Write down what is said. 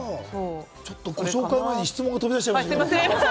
ご紹介前に質問が飛び出しちゃいましたね。